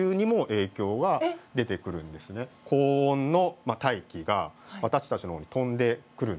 高温の大気が私たちのほうに飛んでくるんですね爆発して。